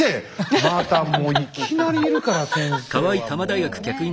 またもういきなりいるから先生はもう先生。